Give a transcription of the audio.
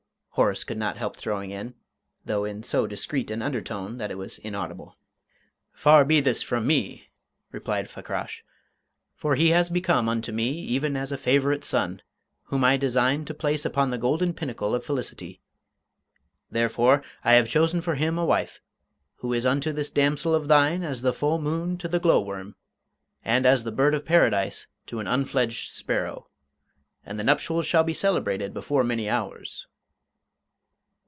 Horace could not help throwing in, though in so discreet an undertone that it was inaudible. "Far be this from me," replied Fakrash. "For he has become unto me even as a favourite son, whom I design to place upon the golden pinnacle of felicity. Therefore, I have chosen for him a wife, who is unto this damsel of thine as the full moon to the glow worm, and as the bird of Paradise to an unfledged sparrow. And the nuptials shall be celebrated before many hours."